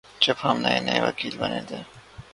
جب ہم نئے نئے وکیل بنے تھے